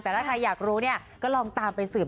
แต่ถ้าใครอยากรู้เนี่ยก็ลองตามไปสืบ